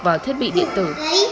vào thiết bị điện tử